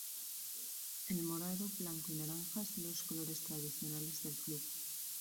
El morado, blanco y naranja son los colores tradicionales del club.